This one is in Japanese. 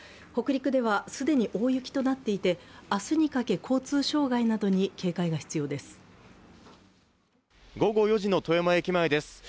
北陸では既に大雪となっていて、明日にかけ、交通障害などに警戒が必要です。